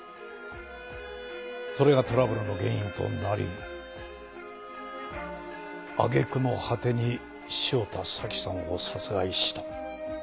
それがトラブルの原因となり揚げ句の果てに汐田早紀さんを殺害した。